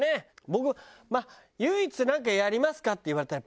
僕唯一「なんかやりますか？」って言われたら。